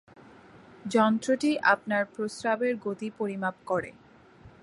যন্ত্রটি আপনার প্রস্রাবের গতি পরিমাপ করে।